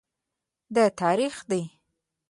دا تریخ دی